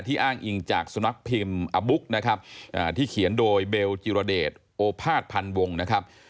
อ้างอิงจากสุนัขพิมพ์อบุ๊กนะครับที่เขียนโดยเบลจิรเดชโอภาษพันวงนะครับ